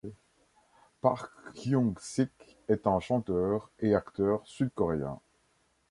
Park Hyung Sik est un chanteur et acteur sud-coréen.